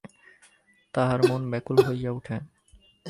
তাহার মন ব্যাকুল হইয়া ওঠে।